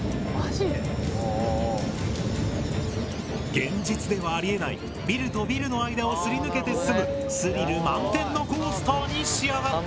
現実ではありえないビルとビルの間をすり抜けて進むスリル満点のコースターに仕上がった！